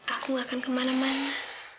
aku akan kemana mana